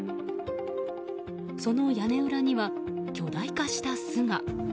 その屋根裏には巨大化した巣が。